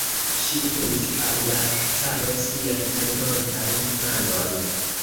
Ŝi etendis al la caro sian tremantan manon.